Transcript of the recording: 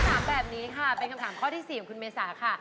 ถามแบบนี้ค่ะเป็นคำถามข้อที่๔ของคุณเมษาค่ะ